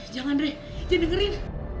jangan drei jangan dengerin